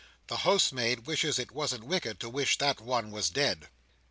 The housemaid wishes it wasn't wicked to wish that one was dead.